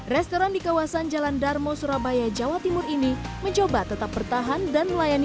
restoran di kawasan jalan darmo surabaya jawa timur ini mencoba tetap bertahan dan melayani